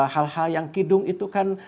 hal hal yang kidung itu kan